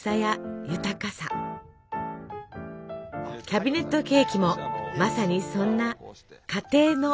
キャビネットケーキもまさにそんな「家庭の」